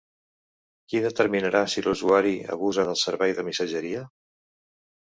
Qui determinarà si l'usuari abusa del servei de missatgeria?